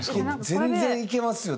全然いけますよ。